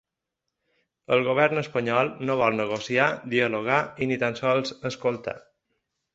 El govern espanyol no vol negociar, dialogar i ni tan sols escoltar.